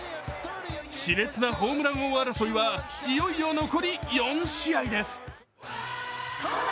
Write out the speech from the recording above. しれつなホームラン王争いはいよいよ残り４試合です。